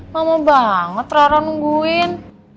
mama banget rara nungguin